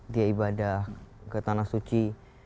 dia ibadah ke tanah suci